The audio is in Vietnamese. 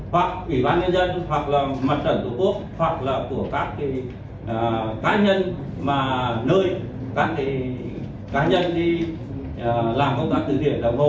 hoặc ủy ban nhân dân hoặc là mặt trận tổ quốc hoặc là của các cái cá nhân mà nơi các cái cá nhân đi làm công tác từ thiện ủng hộ